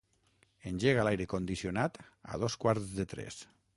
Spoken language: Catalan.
Engega l'aire condicionat a dos quarts de tres.